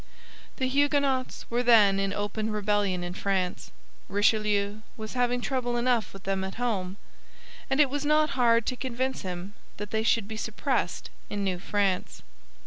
The Huguenots were then in open rebellion in France; Richelieu was having trouble enough with them at home; and it was not hard to convince him that they should be suppressed in New France.